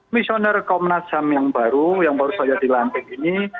misioner komnas ham yang baru yang baru saja dilantik ini